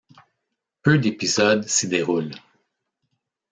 Peu d'épisodes s'y déroulent.